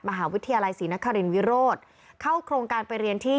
มหาวิทยาลัยศรีนครินวิโรธเข้าโครงการไปเรียนที่